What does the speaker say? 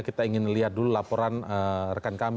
kita ingin lihat dulu laporan rekan kami